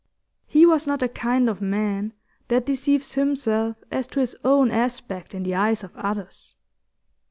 He was not the kind of man that deceives himself as to his own aspect in the eyes of others.